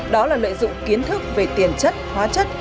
đó là lợi dụng kiến thức về tiền chất hóa chất